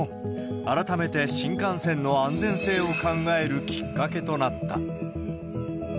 改めて新幹線の安全性を考えるきっかけとなった。